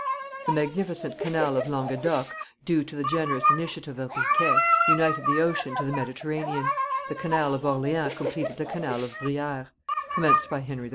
The magnificent canal of Languedoc, due to the generous initiative of Riquet, united the Ocean to the Mediterranean; the canal of Orleans completed the canal of Briare, commenced by Henry IV.